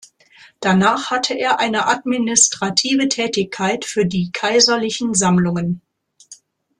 Danach hatte er eine administrative Tätigkeit für die kaiserlichen Sammlungen.